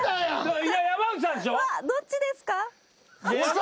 どっちですか？